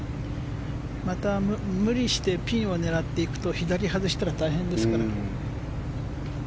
また無理してピンを狙っていくと左に外したら大変ですからね。